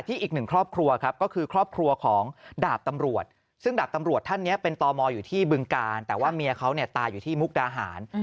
ที่บึงการแต่ว่าเมียเขาตายอยู่ที่มุกดาหาร